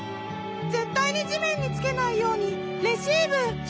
ぜったいに地めんにつけないようにレシーブしてくださる？